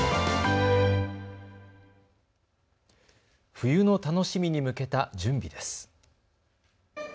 冬の楽しみに向けた準備です。